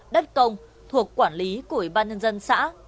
đất công thuộc quản lý của ủy ban nhân dân xã